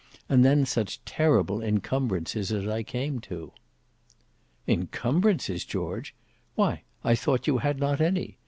And then such terrible incumbrances as I came to!" "Incumbrances, George! Why, I thought you had not any.